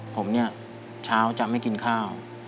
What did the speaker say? ผมเนี่ยเช้าจะไม่กินข้าว